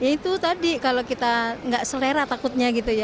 itu tadi kalau kita tidak selera takutnya